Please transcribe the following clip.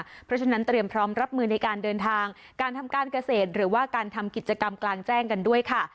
เพราะฉะนั้นเตรียมพร้อมรับมือในการเดินทางการทำการเกษตรหรือว่าการทำกิจกรรมกลางแจ้งกันด้วยค่ะ